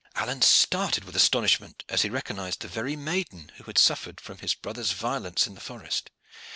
Alleyne started with astonishment as he recognized the very maiden who had suffered from his brother's violence in the forest.